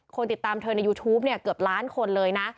คนติดตามเธอในยูทูปเนี่ยเกือบล้านคนเลยนะ